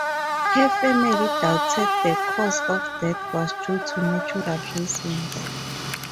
Her family doubted the cause of death was due to natural reasons.